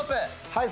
はい。